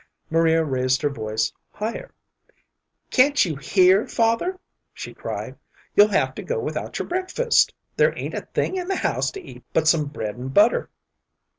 Maria raised her voice higher. "Can't you hear, father?" she cried. "You'll have to go without your breakfast. There ain't a thing in the house to eat but some bread and butter."